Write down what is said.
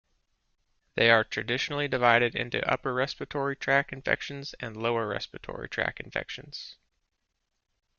They are traditionally divided into upper respiratory tract infections and lower respiratory tract infections.